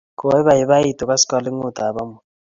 Koipoipoitu koskoling'ut ap amut